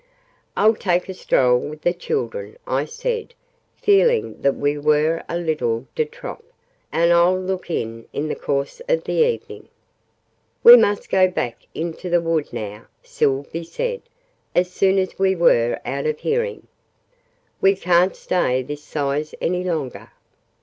"I'll take a stroll with the children," I said, feeling that we were a little de trop, "and I'll look in, in the course of the evening." "We must go back into the wood, now," Sylvie said, as soon as we were out of hearing. "We ca'n't stay this size any longer."